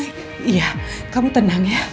iya kamu tenang ya